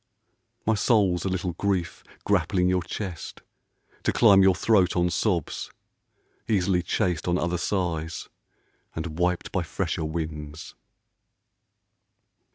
My soul's a little grief, grappling your chest, To climb your throat on sobs ; easily chased On other sighs and wiped by fresher winds.